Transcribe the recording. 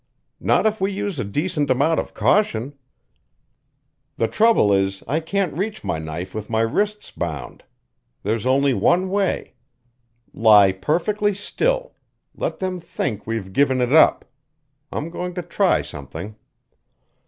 "Not if we use a decent amount of caution. The trouble is, I can't reach my knife with my wrists bound. There's only one way. Lie perfectly still; let them think we've given it up. I'm going to try something."